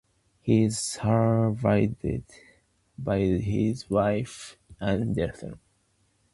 He is survived by his wife and their son.